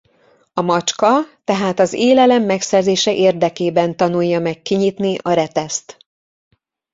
A macska tehát az élelem megszerzése érdekében tanulja meg kinyitni a reteszt.